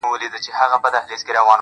o هغه چي ځان زما او ما د ځان بولي عالمه.